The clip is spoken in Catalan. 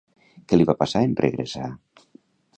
Què li va passar en regressar?